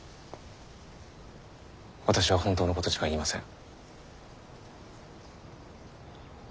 私は本当のことしか言いません。